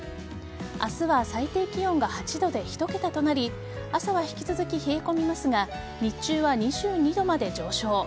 明日は最低気温が８度で１桁となり朝は引き続き冷え込みますが日中は２２度まで上昇。